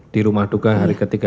di rumah duka hari ketiga